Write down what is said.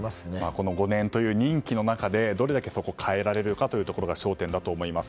この５年という人気の中でどれだけそこを変えられるかというのが焦点だと思います。